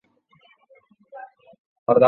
以下营运时间以官方网站为准。